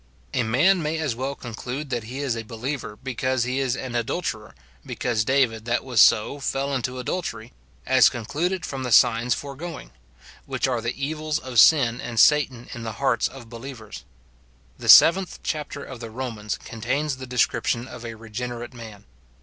A man may as well conclude that he is a believer because he is an adulterer, because Da vid that was so, fell into adultery, as conclude it from the signs foregoing ; which are the evils of sin and Satan in the hearts of believers. The seventh chapter of the Romans contains the description of a regenerate man.